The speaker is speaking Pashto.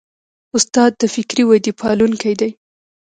استاد د فکري ودې پالونکی دی.